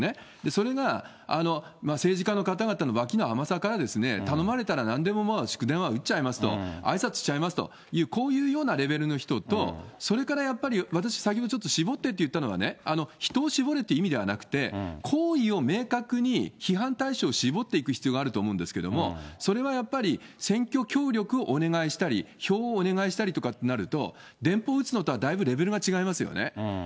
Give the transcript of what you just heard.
それが政治家の方々の脇の甘さから、頼まれたらなんでも祝電は打っちゃいますと、あいさつしちゃいますと、こういうようなレベルの人と、それからやっぱり、私、先ほどちょっと絞ってって言ったのはね、人を絞れって意味じゃなくて、行為を明確に批判対象を絞っていく必要があると思うんですけれども、それはやっぱり、選挙協力をお願いしたり、票をお願いしたりとかってなると、電報打つのとはだいぶレベルが違いますよね。